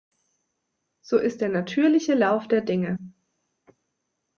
So ist der natürliche Lauf der Dinge.